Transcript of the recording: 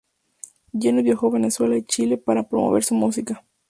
Jeanette viajo a Venezuela y Chile para promover su música.